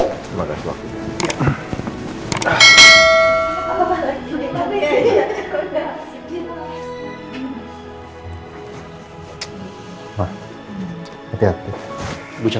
terima kasih waktunya